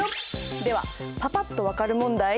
ではパパっと分かる問題。